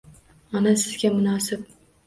Ona, sizga munosib